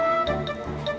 bicara sama suha